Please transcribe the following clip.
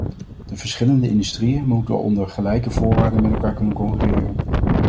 De verschillende industrieën moeten onder gelijke voorwaarden met elkaar kunnen concurreren.